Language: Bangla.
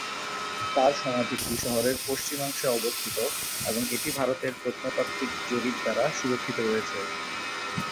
তার সমাধিটি শহরের পশ্চিমাংশে অবস্থিত এবং এটি ভারতের প্রত্নতাত্ত্বিক জরিপ দ্বারা সুরক্ষিত রয়েছে।